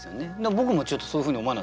僕もそういうふうに思わなかった。